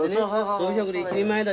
とび職で一人前だ